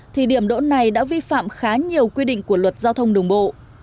thì điểm đỗ này đã vi phạm khá nhiều quy định của luật giao thông đường bộ